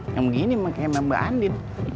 yang begini makanya mbak andi